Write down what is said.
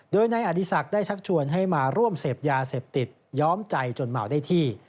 โดยนายอดีศักดิ์ได้ชักชวนให้มาร่วมเสพยาเสพติดย้อมใจจนเมาได้ที่